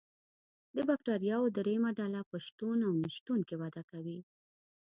د بکټریاوو دریمه ډله په شتون او نشتون کې وده کوي.